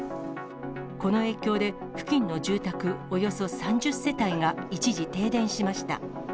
この影響で、付近の住宅およそ３０世帯が一時、停電しました。